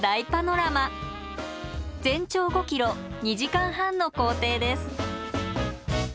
全長５ｋｍ２時間半の行程です